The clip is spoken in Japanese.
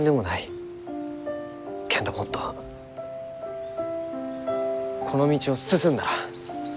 けんどもっとこの道を進んだら。